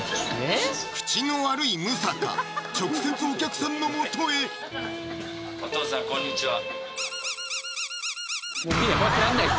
口の悪い六平直接お客さんのもとへお父さんこんにちは